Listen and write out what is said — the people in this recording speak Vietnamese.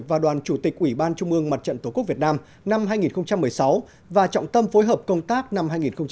và đoàn chủ tịch ủy ban trung ương mặt trận tổ quốc việt nam năm hai nghìn một mươi sáu và trọng tâm phối hợp công tác năm hai nghìn một mươi chín